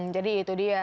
jadi itu dia